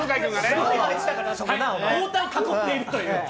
太田を囲んでいるという。